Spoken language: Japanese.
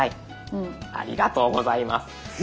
ありがとうございます。